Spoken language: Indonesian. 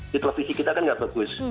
di televisi kita kan nggak bagus